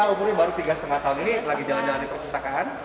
umurnya baru tiga lima tahun ini lagi jalan jalan di perpustakaan